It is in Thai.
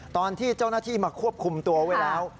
ตอนที่เจ้าหน้าที่มาควบคุมตัวไว้แล้ว